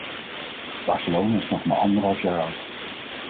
Barcelona is nog maar anderhalf jaar oud.